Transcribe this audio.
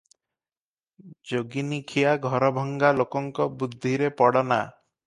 ଯୋଗିନୀଖିଆ ଘରଭଙ୍ଗା ଲୋକଙ୍କ ବୁଦ୍ଧିରେ ପଡ଼ ନା ।